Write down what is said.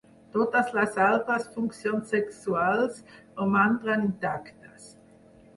Totes les altres funcions sexuals romandran intactes.